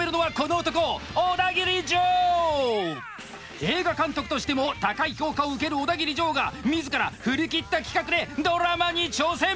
映画監督としても高い評価を受けるオダギリジョーが自ら振り切った企画でドラマに挑戦！